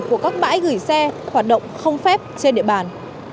của các bãi gửi xe hoạt động không phép trên địa bàn